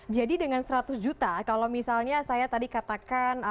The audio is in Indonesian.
jadi dengan seratus juta kalau misalnya saya tadi katakan